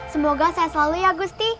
semoga saya selalu ya gusti